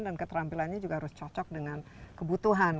dan keterampilannya juga harus cocok dengan kebutuhan